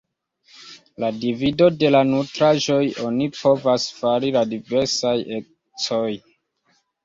La divido de la nutraĵoj oni povas fari la diversaj ecoj.